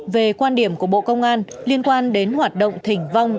về quan điểm của bộ công an liên quan đến hoạt động thỉnh vong